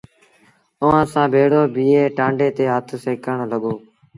اُئآݩٚ سآݩٚ ڀيڙو بيٚهي ٽآنڊي تي هٿ سيڪڻ لڳو۔